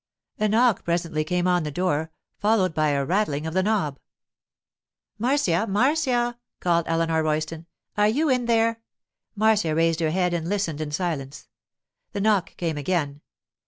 A knock presently came on the door, followed by a rattling of the knob. 'Marcia, Marcia!' called Eleanor Royston. 'Are you in there?' Marcia raised her head and listened in silence. The knock came again.